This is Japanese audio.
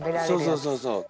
そうそうそうそう。